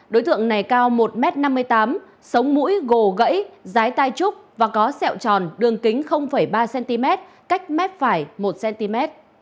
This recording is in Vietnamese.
đối tượng này cao một năm mươi tám m sống mũi gồ gẫy dái tai trúc và có sẹo tròn đường kính ba cm cách mép phải một cm